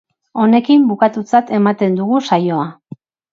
Honekin bukatutzat ematen dugu saioa.